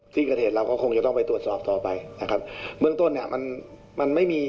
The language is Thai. ที่เกิดเหตุเราก็คงจะต้องไปตรวจสอบต่อไปนะครับเบื้องต้นเนี่ยมันมันไม่มี